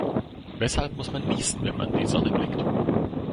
Weshalb muss man niesen, wenn man in die Sonne blickt?